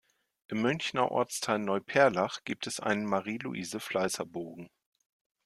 Im Münchner Ortsteil Neuperlach gibt es einen Marieluise-Fleißer-Bogen.